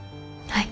はい。